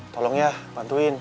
tolong ya bantuin